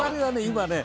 今ね